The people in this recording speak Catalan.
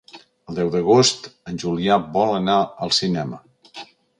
El deu d'agost en Julià vol anar al cinema.